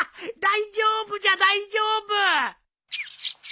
大丈夫じゃ大丈夫。